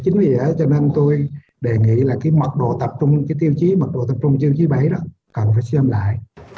chính vì thế cho nên tôi đề nghị là cái mật độ tập trung cái tiêu chí mật độ tập trung tiêu chí bảy đó cần phải xem lại